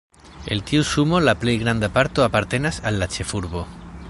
El tiu sumo la plej granda parto apartenas al la ĉefurbo.